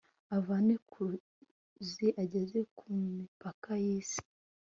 avane ku ruzi ageze ku mipaka y'isi